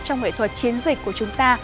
trong nghệ thuật chiến dịch của chúng ta